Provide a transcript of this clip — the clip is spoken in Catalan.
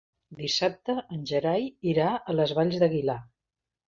Dissabte en Gerai irà a les Valls d'Aguilar.